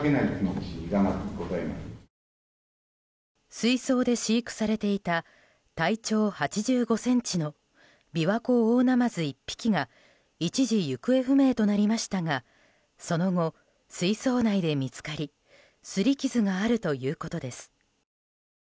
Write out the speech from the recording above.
水槽で飼育されていた体長８５ｃｍのビワコオオナマズ１匹が一時、行方不明となりましたがその後、水槽内で見つかりすり傷があるということです。